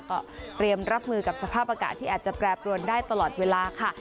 ก็เตรียมรับมือกับสภาพอากาศที่อาจจะแปรปรวนได้ตลอดเวลาค่ะ